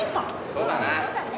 そうだね。